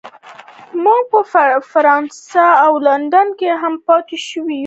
موږ په فرانسه او لندن کې هم پاتې شوي یو